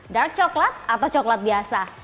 dark coklat atau coklat biasa